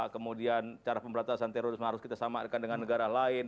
kemudian cara pembatasan terorisme harus kita samakan dengan negara lain